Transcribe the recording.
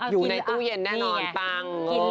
อยู่ในตู้เย็นแน่นอนปัง